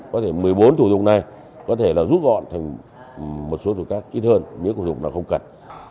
có thể một mươi bốn thủ tục này có thể rút gọn thành một số thủ tục khác ít hơn những thủ tục không cần